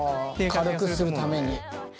軽くするために。